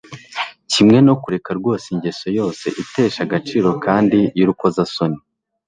kimwe no kureka rwose ingeso yose itesha agaciro kandi y'urukozasoni